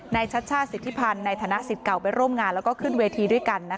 ชัชชาติสิทธิพันธ์ในฐานะสิทธิ์เก่าไปร่วมงานแล้วก็ขึ้นเวทีด้วยกัน